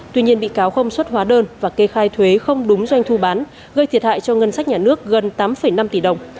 tuy nhiên bị cáo không xuất hóa đơn và kê khai thuế không đúng doanh thu bán gây thiệt hại cho ngân sách nhà nước gần tám năm tỷ đồng